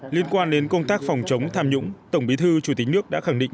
liên quan đến công tác phòng chống tham nhũng tổng bí thư chủ tịch nước đã khẳng định